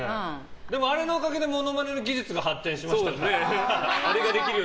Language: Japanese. でも、あれのおかげでモノマネ技術が発展しましたよね。